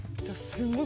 すごい。